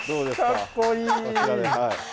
かっこいい！